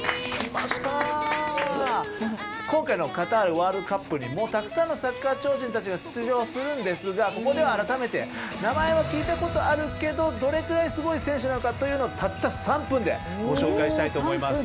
今回のカタールワールドカップにもたくさんのサッカー超人たちが出場するんですがここでは改めて名前は聞いたことあるけどどれくらいすごい選手なのかたった３分でご紹介したいと思います。